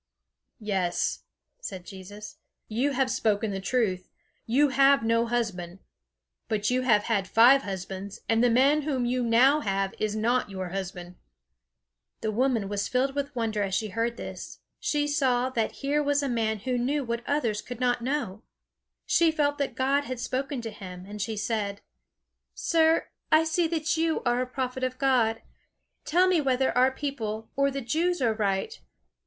"Yes," said Jesus, "you have spoken the truth. You have no husband. But you have had five husbands, and the man whom you now have is not your husband." The woman was filled with wonder as she heard this. She saw that here was a man who knew what others could not know. She felt that God had spoken to him, and she said: "Sir, I see that you are a prophet of God. Tell me whether our people or the Jews are right.